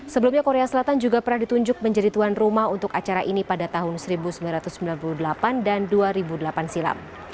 sebelumnya korea selatan juga pernah ditunjuk menjadi tuan rumah untuk acara ini pada tahun seribu sembilan ratus sembilan puluh delapan dan dua ribu delapan silam